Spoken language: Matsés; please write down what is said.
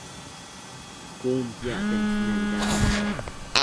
Cun piactsen ismebidannu